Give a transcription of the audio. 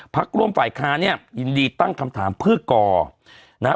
พักร่วมฝ่ายค้าเนี่ยยินดีตั้งคำถามเพื่อก่อนะฮะ